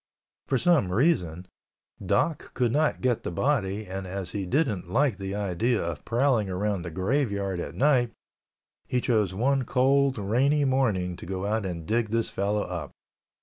For some reason, Doc could not get the body and as he didn't like the idea of prowling around the graveyard at night, he chose one cold, rainy morning to go out and dig this fellow up.